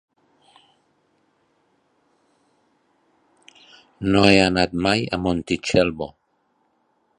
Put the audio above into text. No he anat mai a Montitxelvo.